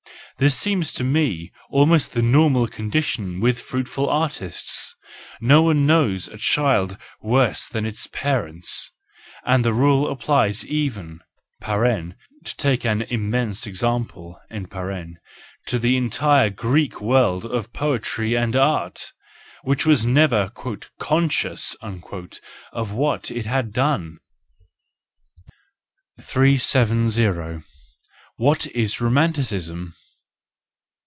This seems to me almost the normal condition with fruitful artists,—nobody knows a child worse than its parents—and the rule applies even (to take an immense example) to the entire Greek world of poetry and art, which was never " conscious " of what it had done. ... 370 . What is Romanticism